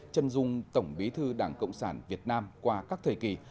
chân dung tổng bí thư đảng cộng sản việt nam qua các thời kỳ